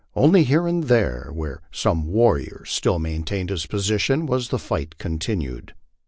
Onfy here and there where some warrior still maintained his position was the fight continued.